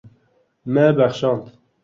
Me bexşand.